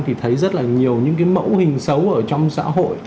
thì thấy rất là nhiều những cái mẫu hình xấu ở trong xã hội